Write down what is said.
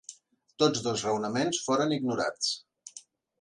Tots dos raonaments foren ignorats.